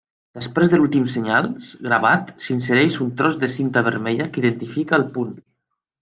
Després de l'últim senyal gravat s'insereix un tros de cinta vermella que identifica el punt.